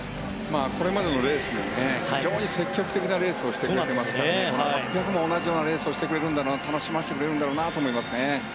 これまでのレースも非常に積極的なレースをしていますから８００も同じようなレースをしてくれるんだろうな楽しませてくれるんだろうなと思いますね。